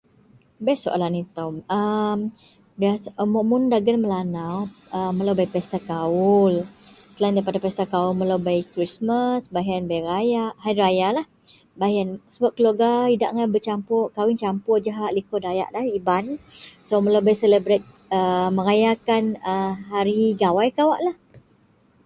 Best soalan itou. ...aaa... Biasa Mun dagen melanau ....aaa... Melo bei pesta kawul selain daripada pesta kawul melo bei krismas bei iyen bei rayak hari raya lah beh iyen sebab keluarga idak besapur kawin sapur jahak liko dayak iban melo bei celebret aaa merayakan hari gawai kawak.